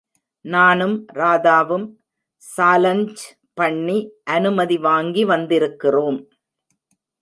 நானும், ராதாவும் சாலன்ஞ் பண்ணி அனுமதி வாங்கி வந்திருக்கிறோம்.